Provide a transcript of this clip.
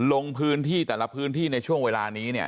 ลงพื้นที่แต่ละพื้นที่ในช่วงเวลานี้เนี่ย